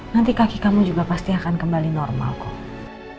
nanti kaki kamu juga pasti akan kembali normal kok